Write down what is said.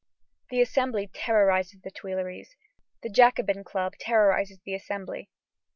The Assembly terrorizes the Tuileries. The Jacobin Club terrorizes the Assembly.